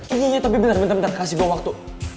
iya iya tapi bentar bentar kasih gue waktu